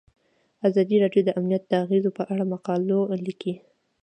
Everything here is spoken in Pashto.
ازادي راډیو د امنیت د اغیزو په اړه مقالو لیکلي.